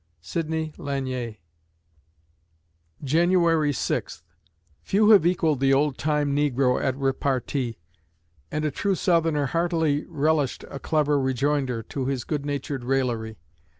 SIDNEY LANIER January Sixth Few have equaled the old time negro at repartee, and a true Southerner heartily relished a clever rejoinder to his good natured raillery.